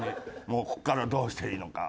もうここからどうしていいのか。